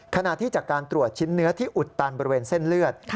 ขณะที่จากการตรวจชิ้นเนื้อที่อุดตันบริเวณเส้นเลือด